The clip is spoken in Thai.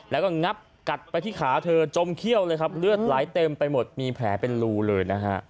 แล้วก็งับกัดไปที่ขาเธอจมเขี้ยวเลยครับเลือดไหลเต็มไปหมดมีแผลเป็นรูเลยนะฮะ